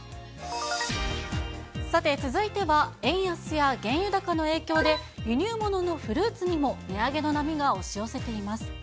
さて、続いては円安や原油高の影響で、輸入物のフルーツにも値上げの波が押し寄せています。